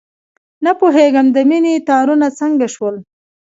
نه پوهېږم، د مینې تارونه څنګه شلول.